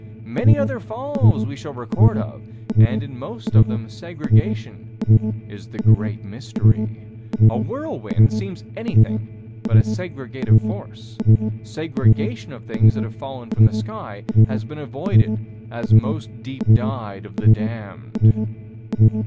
Many other falls we shall have record of, and in most of them segregation is the great mystery. A whirlwind seems anything but a segregative force. Segregation of things that have fallen from the sky has been avoided as most deep dyed of the damned.